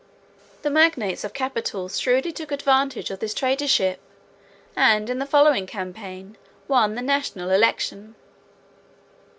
The magnates of capital shrewdly took advantage of this traitorship and, in the following campaign, won the national election.